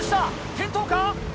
転倒か？